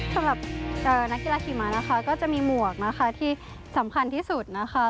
สำหรับนักกีฬาขี่ม้านะคะก็จะมีหมวกนะคะที่สำคัญที่สุดนะคะ